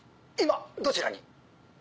今どちらに？